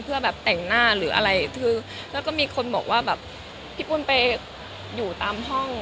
เพื่อแบบแต่งหน้าหรืออะไรคือแล้วก็มีคนบอกว่าแบบพี่ปุ้นไปอยู่ตามห้อง